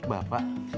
itu buat bapak